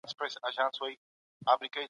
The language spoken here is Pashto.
ټولنپوهنه د ټولنې د روغتیا لپاره ده.